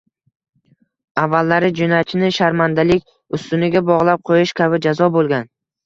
Avvallari jinoyatchini “sharmandalik ustuni”ga bog‘lab qo‘yish kabi jazo bo‘lgan.